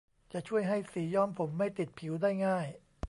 จะช่วยให้สีย้อมผมไม่ติดผิวได้ง่าย